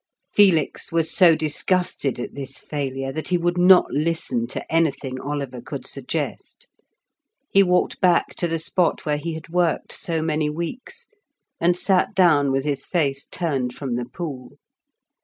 Felix was so disgusted at this failure that he would not listen to anything Oliver could suggest. He walked back to the spot where he had worked so many weeks, and sat down with his face turned from the pool.